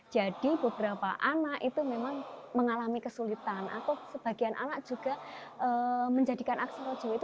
jadi beberapa anak itu memang mengalami kesulitan atau sebagian anak juga menjadikan aksarojawa itu sebagai momo